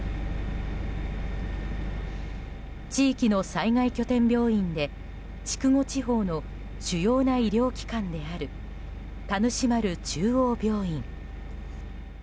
地域の災害拠点病院で筑後地方の主要な医療機関である田主丸中央病院。